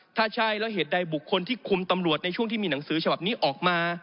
ถ้าใช่แล้วเหตุใดบุคคลที่คุมตำรวจในช่วงที่มีหนังสือฉบับนี้ออกมา